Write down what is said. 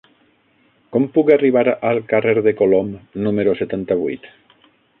Com puc arribar al carrer de Colom número setanta-vuit?